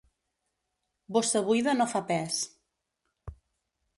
Bossa buida no fa pes.